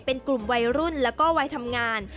เป็นกลุ่มวัยรุ่นแล้วก็วัยทำงาน